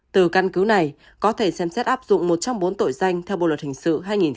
từ căn cứ này có thể xem xét áp dụng một trăm bốn tội danh theo bộ luật hình sự hai nghìn một mươi năm